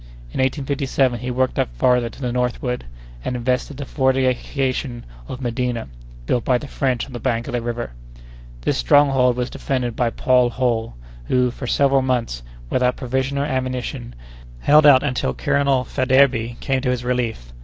In 1857 he worked up farther to the northward, and invested the fortification of Medina, built by the French on the bank of the river. This stronghold was defended by Paul Holl, who, for several months, without provisions or ammunition, held out until Colonel Faidherbe came to his relief.